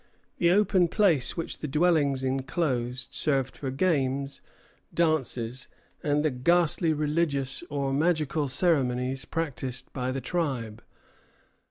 ] The open place which the dwellings enclosed served for games, dances, and the ghastly religious or magical ceremonies practised by the tribe.